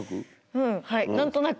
うんはい何となく。